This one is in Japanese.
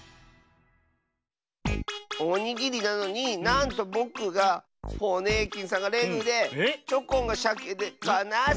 おにぎりなのになんとぼくがホネーキンさんがレグでチョコンがシャケでかなしかったよ。